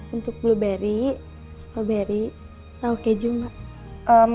untuk blueberry strawberry atau keju mbak